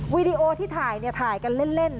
วีดีโอที่ถ่ายถ่ายกันเล่น